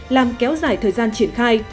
làm kéo dài thời gian triển khai